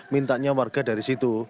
mintanya warga dari situ